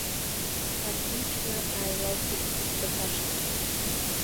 Аҭынчра ааилалгеит ԥыҭрак ашьҭахь.